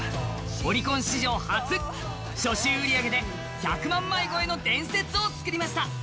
オリコン史上初、初週売り上げで１００万枚超えの伝説を作りました。